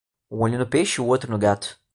Um olho no peixe e o outro no gato.